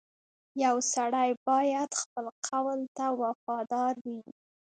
• یو سړی باید خپل قول ته وفادار وي.